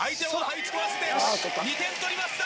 ２点取りました！